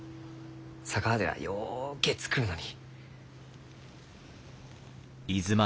佐川ではようけ作るのに。